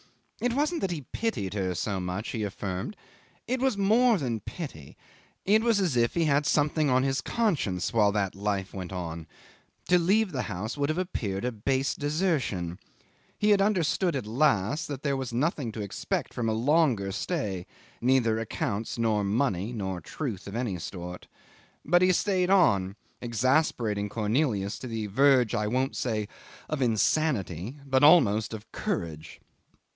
It wasn't that he pitied her so much, he affirmed; it was more than pity; it was as if he had something on his conscience, while that life went on. To leave the house would have appeared a base desertion. He had understood at last that there was nothing to expect from a longer stay, neither accounts nor money, nor truth of any sort, but he stayed on, exasperating Cornelius to the verge, I won't say of insanity, but almost of courage.